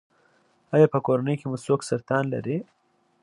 ایا په کورنۍ کې مو څوک سرطان لري؟